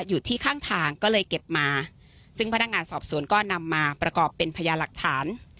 อยู่ที่ข้างทางก็เลยเก็บมาซึ่งพนักงานสอบสวนก็นำมาประกอบเป็นพยาหลักฐาน